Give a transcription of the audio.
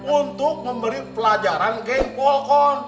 untuk memberi pelajaran ke polkon